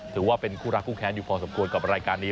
ถือว่าเป็นคู่รักคู่แค้นอยู่พอสมควรกับรายการนี้